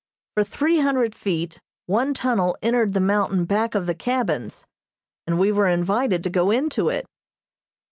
For three hundred feet one tunnel entered the mountain back of the cabins, and we were invited to go into it.